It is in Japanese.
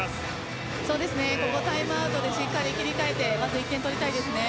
ここタイムアウトでしっかり切り替えて取りたいですね。